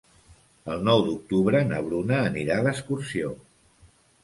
El nou d'octubre na Bruna anirà d'excursió.